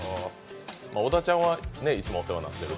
小田ちゃんはいつもお世話になってる。